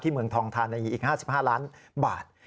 ที่เมืองทองทานัยีอีก๕๕ล้านบาท